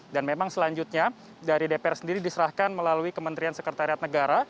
dan memang selanjutnya dari dpr sendiri diserahkan melalui kementerian sekretariat negara